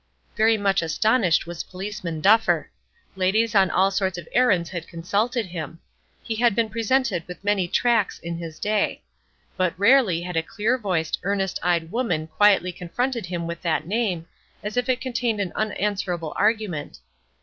Very much astonished was Policeman Duffer. Ladies on all sorts of errands had consulted him. He had been presented with many tracts in his day; but rarely had a clear voiced, earnest eyed woman quietly confronted him with that name, as if it contained an unanswerable argument.